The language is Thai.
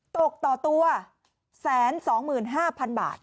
ตกต่อตัวแสนสองหมื่นห้าพันบาท